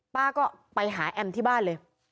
ป้าก็ไปหาแอมที่บ้านเลย